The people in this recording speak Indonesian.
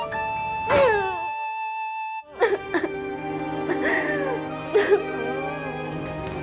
selamat siang naya